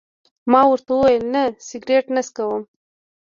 ما ورته وویل: نه، سګرېټ نه څکوم.